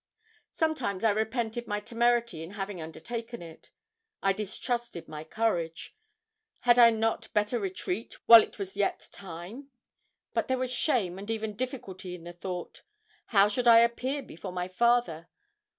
Sometimes I repented my temerity in having undertaken it. I distrusted my courage. Had I not better retreat, while it was yet time? But there was shame and even difficulty in the thought. How should I appear before my father?